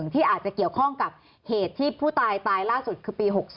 ที่อาจจะเกี่ยวข้องกับเหตุที่ผู้ตายตายล่าสุดคือปี๖๒